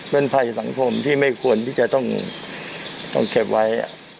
เป็นภัยสังคมที่ไม่ควรที่จะต้องเก็บไว้